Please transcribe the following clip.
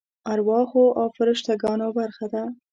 ارواحو او فرشته ګانو برخه ده.